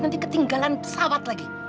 nanti ketinggalan pesawat lagi